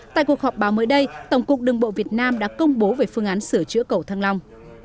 tại cuộc họp báo mới đây tổng cục đường bộ việt nam đã công bố về phương án sửa chữa cầu thăng long